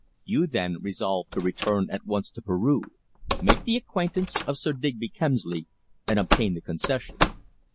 You then resolved to return at once to Peru, make the acquaintance of Sir Digby Kemsley, and obtain the concession.